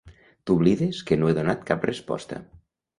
T'oblides que no he donat cap resposta.